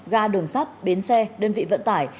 ga đường sát bến xe đơn vị vận tải